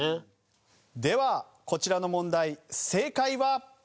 ではこちらの問題正解は。